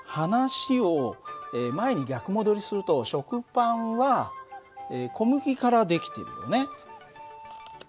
話を前に逆戻りすると食パンは小麦から出来てるよね。